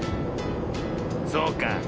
そうか。